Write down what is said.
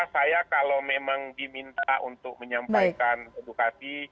saya kalau memang diminta untuk menyampaikan edukasi